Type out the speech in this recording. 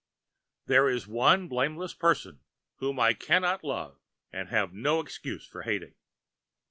There is one blameless person whom I can not love and have no excuse for hating.